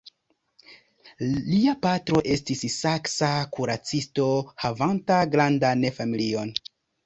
Lia patro estis saksa kuracisto havanta grandan familion.